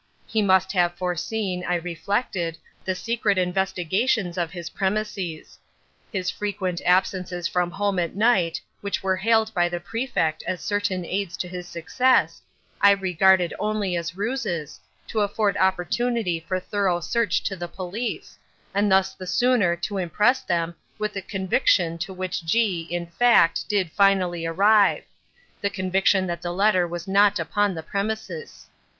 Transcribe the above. He must have foreseen, I reflected, the secret investigations of his premises. His frequent absences from home at night, which were hailed by the Prefect as certain aids to his success, I regarded only as ruses, to afford opportunity for thorough search to the police, and thus the sooner to impress them with the conviction to which G——, in fact, did finally arrive—the conviction that the letter was not upon the premises.